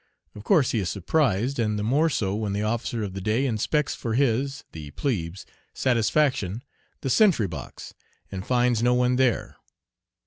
Of course he is surprised, and the more so when the officer of the day inspects for his the plebe's satisfaction the sentry box, and finds no one there.